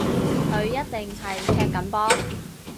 佢一定係踢緊波